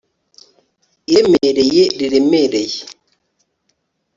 iremereye riremereye